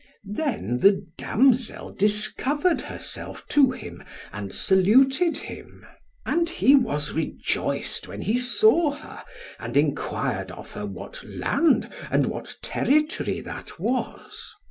Then the damsel discovered herself to him, and saluted him. And he was rejoiced when he saw her, and enquired of her, what land and what territory that was.